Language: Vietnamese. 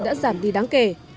đã giảm đi đáng kể